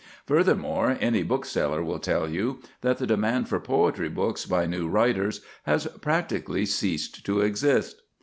Furthermore, any bookseller will tell you that the demand for poetry books by new writers has practically ceased to exist.